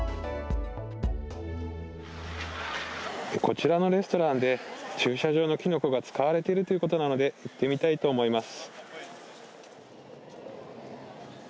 こちらのレストランで駐車場のきのこが使われているということなので行ってみたいと思います。